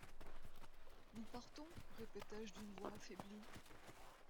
Nous partons? répétai-je d’une voix affaiblie.